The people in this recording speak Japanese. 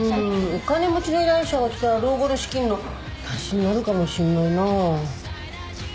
お金持ちの依頼者が来たら老後の資金の足しになるかもしんないな。